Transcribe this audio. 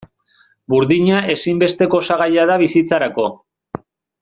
Burdina ezinbesteko osagaia da bizitzarako.